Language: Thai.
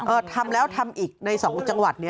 ทำแล้วทำอีกในสองจังหวัดนี้